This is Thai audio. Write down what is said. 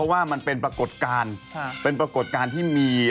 ว่ามันเป็นปรากฏการณ์